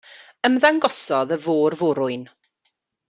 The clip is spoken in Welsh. Ymddangosodd y fôr-forwyn.